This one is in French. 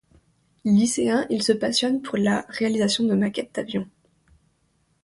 Lycéen il se passionne pour la réalisation de maquettes d'avions.